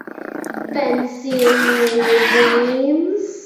Been seeing me in your dreams?